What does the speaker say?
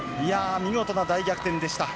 見事な大逆転でした。